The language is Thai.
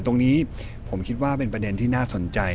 ตรงนี้ผมคิดว่าเป็นประเด็นที่น่าสนใจ